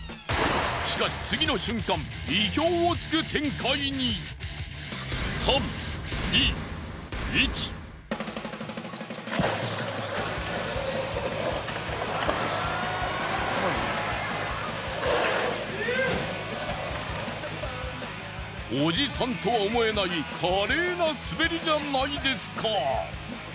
しかし次の瞬間おじさんとは思えない華麗な滑りじゃないですか。